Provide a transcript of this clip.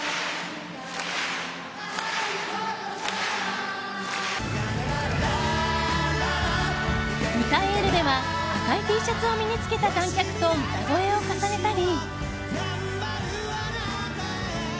「うたエール」では赤いＴシャツを身に着けた観客と歌声を重ねたり。